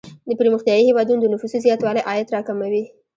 د پرمختیايي هیوادونو د نفوسو زیاتوالی عاید را کموي.